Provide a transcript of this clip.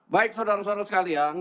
baik saudara saudara sekalian